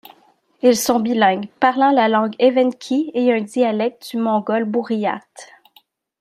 Ils sont bilingues, parlant la langue evenki et un dialecte du mongol bouriate.